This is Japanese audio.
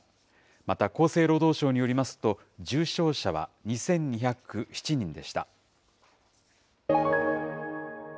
また厚生労働省によりますと、重症者は２２０７人でした。